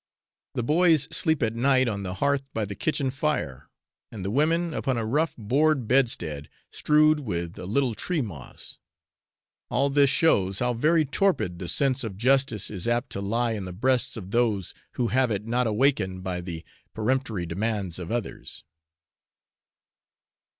The boys sleep at night on the hearth by the kitchen fire, and the women upon a rough board bedstead, strewed with a little tree moss. All this shows how very torpid the sense of justice is apt to lie in the breasts of those who have it not awakened by the peremptory demands of others.